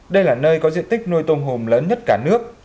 đây là nơi có diện tích nuôi tôm hùm lớn nhất cả nước